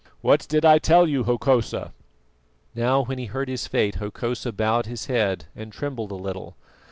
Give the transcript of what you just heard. What did I tell you, Hokosa?" Now when he heard his fate, Hokosa bowed his head and trembled a little.